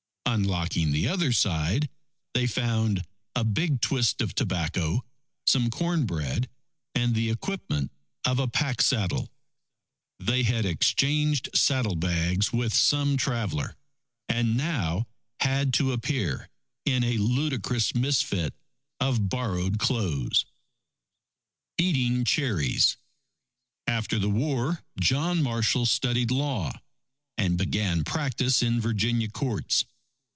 Unlocking the other side, they found a big twist of tobacco, some corn bread, and the equipment of a pack saddle. They had exchanged saddlebags with some traveller, and now had to appear in a ludicrous misfit of borrowed clothes! Eating Cherries After the war, John Marshall studied law, and began practice in Virginia courts.